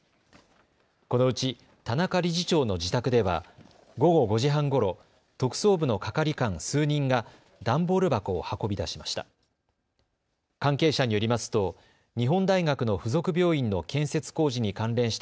このうち田中理事長の自宅では午後５時半ごろ、特捜部の係官数人が段ボール箱を運び出しました。